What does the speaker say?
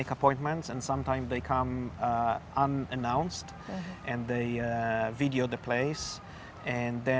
mereka tidak dikomenkan mereka mengucapkan video tempatnya